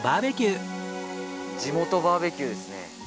地元バーベキューですね。